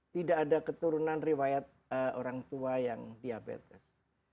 tidak ada keturunan riwayat orang tua yang diabetes